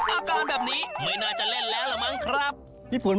โอ้ยโอ้ยโอ้ยโอ้ยโอ้ย